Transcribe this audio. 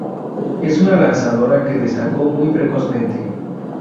Es una lanzadora que destacó muy precozmente.